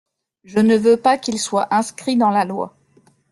Je ne veux pas qu’il soit inscrit dans la loi.